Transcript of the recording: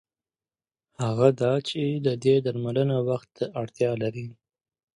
هغه دا چې د دې درملنه وخت ته اړتیا لري.